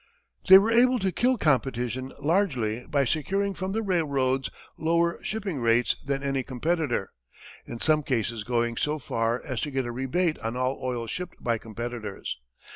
They were able to kill competition largely by securing from the railroads lower shipping rates than any competitor, in some cases going so far as to get a rebate on all oil shipped by competitors.